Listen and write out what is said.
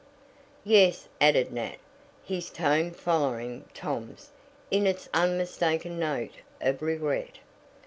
"Yes," added Nat, his tone following Tom's in its unmistaken note of regret.